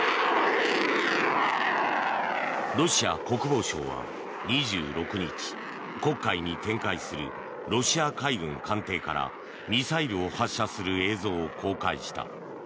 ロシア国防省は２６日黒海に展開するロシア海軍艦艇からミサイルを発射する映像を公開した。